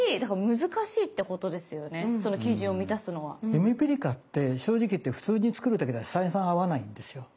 ゆめぴりかって正直言って普通に作るだけでは採算合わないんですよ。